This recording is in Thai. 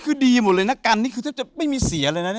รถเรน้ากรรมนี่จะไม่มีเสียเลยนะ